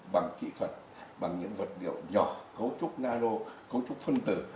bằng kỹ thuật bằng những vật liệu nhỏ cấu trúc nao cấu trúc phân tử